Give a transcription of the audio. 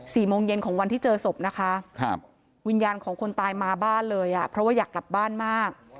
โมงเย็นของวันที่เจอศพนะคะครับวิญญาณของคนตายมาบ้านเลยอ่ะเพราะว่าอยากกลับบ้านมาก